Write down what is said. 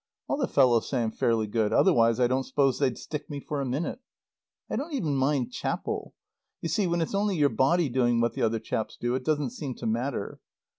All the fellows say I'm fairly good otherwise I don't suppose they'd stick me for a minute. I don't even mind Chapel. You see, when it's only your body doing what the other chaps do, it doesn't seem to matter.